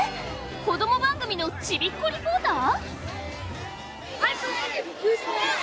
子供番組のちびっこリポーター？